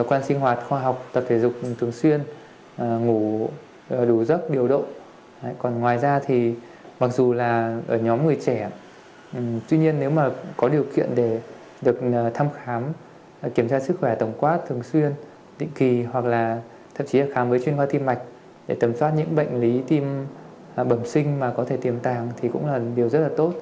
và xin cảm ơn bác sĩ với những chia sẻ hết sức cụ thể vừa rồi